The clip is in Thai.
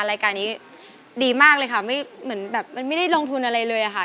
รายการนี้ดีมากเลยค่ะไม่เหมือนแบบมันไม่ได้ลงทุนอะไรเลยค่ะ